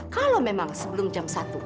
kalau memang sebelum jam satu